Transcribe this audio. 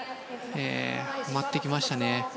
止まってきましたね。